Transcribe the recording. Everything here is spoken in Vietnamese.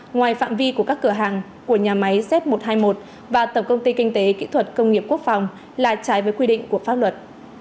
ngoài phạm vi của các cửa hàng của nhà máy z một trăm hai mươi một và tổng công ty kinh tế kỹ thuật công nghiệp quốc phòng là trái với quy định của pháp luật